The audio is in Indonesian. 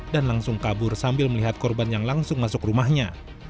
dan langsung kabur sambil melihat korban yang langsung masuk rumahnya